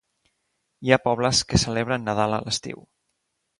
Hi ha pobles que celebren Nadal a l'estiu.